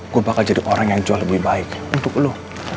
gue bakal jadi orang yang jual lebih baik untuk lo